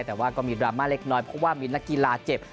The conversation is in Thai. แต่ว่าก็มีดราม่าเล็กน้อยเพราะว่ามีนักกีฬาเจ็บ